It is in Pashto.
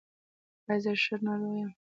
ایا زه ښه ناروغ یم؟